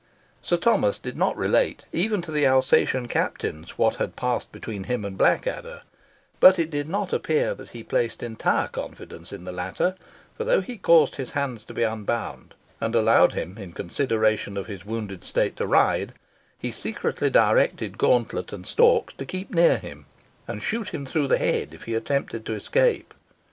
Sir Thomas did not relate, even to the Alsatian captains, what had passed between him and Blackadder; but it did not appear that he placed entire confidence in the latter; for though he caused his hands to be unbound, and allowed him in consideration of his wounded state to ride, he secretly directed Gauntlet and Storks to keep near him, and shoot him through the head if he attempted to escape.